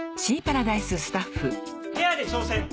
ペアで挑戦！